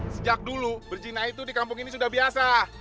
sejak dulu berjina itu di kampung ini sudah biasa